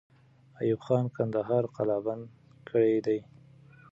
ایوب خان کندهار قلابند کړی دی.